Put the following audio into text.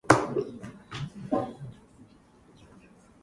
He also worked as a reporter for Canadian Press.